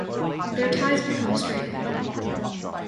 Their ties become strained.